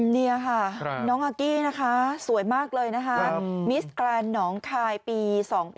นี่ค่ะน้องอากี้นะคะสวยมากเลยนะคะมิสแกรนด์หนองคายปี๒๕๖๒